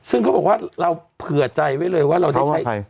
ซึ่งเขาบอกว่าเราเผื่อใจไว้เลยว่าเราได้ใช้